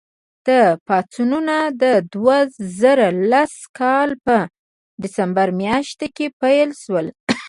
دا پاڅونونه د دوه زره لسم کال په ډسمبر میاشت کې پیل شول.